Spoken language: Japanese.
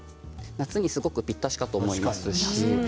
夏にすごくぴったしかと思います。